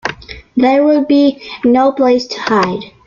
There would be no place to hide.